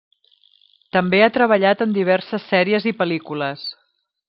També ha treballat en diverses sèries i pel·lícules.